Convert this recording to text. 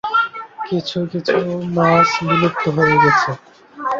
কিছু কিছু মাছ বিলুপ্ত হয়ে গেছে।